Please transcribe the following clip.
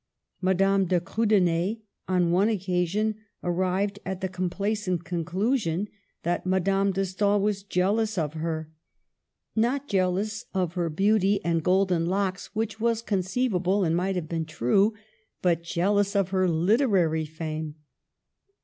Madame de Kriidener, on one occasion, arrived at the complacent conclusion that Madame de Stael was jealous of her. Not jealous of her Digitized by VjOOQLC NEW FACES A T COPPET. 1 1 1 beauty and golden locks, which was conceivable, and might have been true, but jealous of her lit erary fame